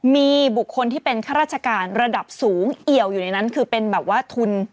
มีบุคคลที่เป็นข้าราชการระดับสูงเอี่ยวอยู่ในนั้นคือเป็นแบบว่าทุน